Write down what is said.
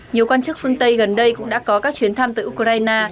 nhiều quan chức phương tây gần đây cũng đã có các chuyến thăm tới ukraine